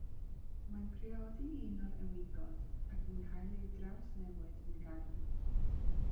Mae'n priodi un o'r ewigod, ac yn cael ei drawsnewid yn garibŵ.